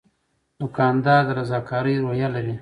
دوکاندار د رضاکارۍ روحیه لري.